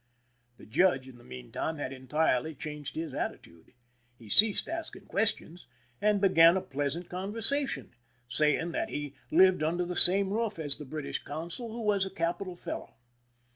The judge, in the meanwhile, had entirely changed his attitude. He ceased asking questions, and began a pleasant conversation, saying that he lived under the same roof as the British consul, who was a capital fellow.